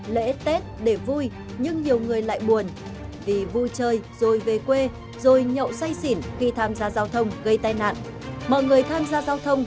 lễ tết để vui nhưng nhiều người lại buồn vì vui chơi rồi về quê rồi nhậu say xỉn khi tham gia giao thông gây tai nạn